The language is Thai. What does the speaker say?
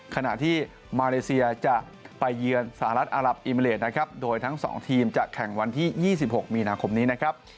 ขณะที่มาเลเซียจะไปเยือนสหรัฐอารับอิมิเลสนะครับโดยทั้ง๒ทีมจะแข่งวันที่๒๖มีนาคมนี้นะครับ